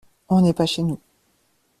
On n’est pas chez nous.